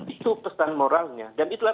itu pesan moralnya dan itulah